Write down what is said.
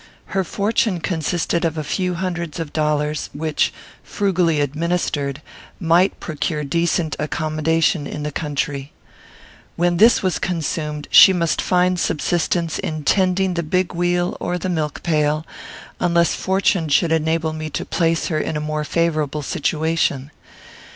Her fortune consisted of a few hundreds of dollars, which, frugally administered, might procure decent accommodation in the country. When this was consumed, she must find subsistence in tending the big wheel or the milk pail, unless fortune should enable me to place her in a more favourable situation.